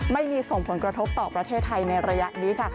ไม่มีส่งผลกระทบต่อประเทศไทยในระยะนี้ค่ะ